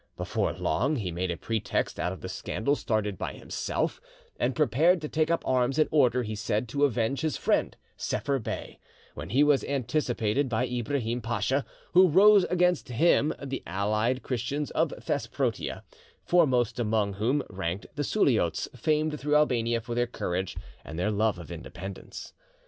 Before long he made a pretext out of the scandal started by himself, and prepared to take up arms in order, he said, to avenge his friend Sepher Bey, when he was anticipated by Ibrahim Pacha, who roused against him the allied Christians of Thesprotia, foremost among whom ranked the Suliots famed through Albania for their courage and their love of independence.